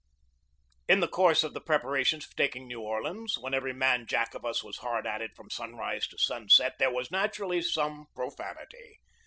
In the course of the preparations for taking New Orleans, when every man Jack of us was hard at it from sunrise to sunset, there was, naturally, some profanity.